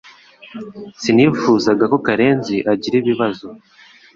Sinifuzaga ko Karenzi agira ibibazo